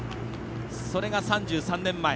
それが３３年前。